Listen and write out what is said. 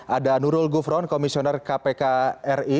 ada nurul gufron komisioner kpk ri